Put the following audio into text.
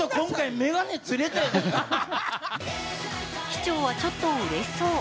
市長はちょっとうれしそう。